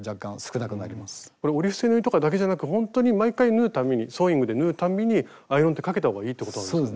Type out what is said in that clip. これ折り伏せ縫いとかだけじゃなくほんとに毎回縫う度にソーイングで縫う度にアイロンってかけたほうがいいってことなんですか？